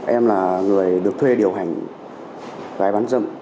em là người được thuê điều hành gái bán dâm